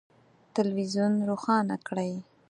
تلویزون روښانه کړئ